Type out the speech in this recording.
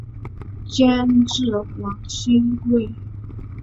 监制王心慰。